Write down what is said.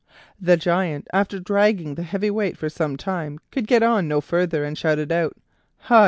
The Giant after dragging the heavy weight for some time, could get on no farther, and shouted out: "Hi!